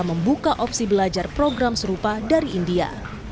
membuka opsi belajar program serupa dari india